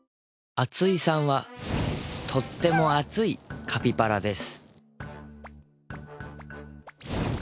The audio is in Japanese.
あついさんはとっても熱いカピバラです